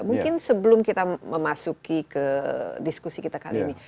mungkin sebelum kita memasuki ke diskusi kita kali ini